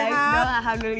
baik doang alhamdulillah